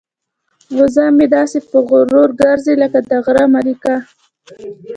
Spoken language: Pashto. وزه مې داسې په غرور ګرځي لکه د غره ملکه.